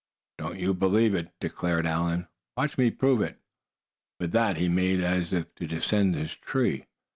"Don't you believe it," declared Allan. "Watch me prove it." With that he made as if to descend his tree.